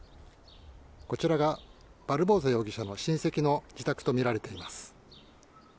こちらがバルボサ容疑者の親戚の自宅とみられています。